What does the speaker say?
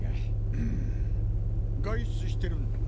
うん外出してるんだな？